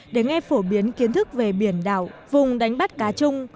để nghe phổ biến kiến thức về biển đảo vùng đánh bắt cá chung